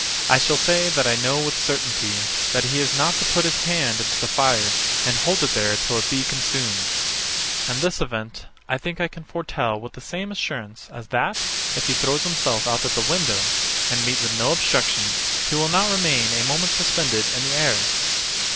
I shall say that I know with certainty that he is not to put his hand into the fire and hold it there till it be consumed: And this event, I think I can foretell with the same assurance, as that, if he throw himself out at the window, and meet with no obstruction, he will not remain a moment suspended in the air.